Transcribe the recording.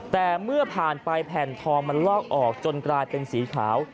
แต่เมื่อผ่านไปแผ่นทองมันลอกออกจนกลายเป็นสีขาว